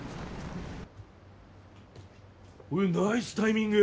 おっナイスタイミング！